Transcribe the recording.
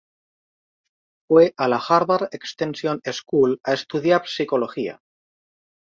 Fue a la Harvard Extension School a estudiar psicología.